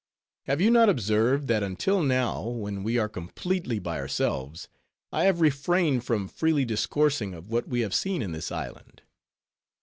Have you not observed, that until now, when we are completely by ourselves, I have refrained from freely discoursing of what we have seen in this island?